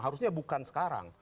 harusnya bukan sekarang